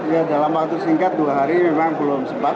ya dalam waktu singkat dua hari memang belum sempat